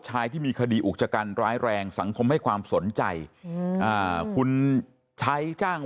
ที่มีคดีอุกจกันร้ายแรงสังคมให้ความสนใจอืมอ่าคุณใช้จ้าง